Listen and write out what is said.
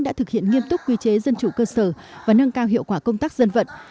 đã thực hiện nghiêm túc quy chế dân chủ cơ sở và nâng cao hiệu quả công tác dân vận